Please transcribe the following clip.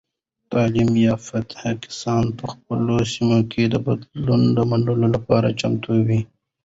تعلیم یافته کسان په خپلو سیمو کې د بدلونونو د منلو لپاره چمتو وي.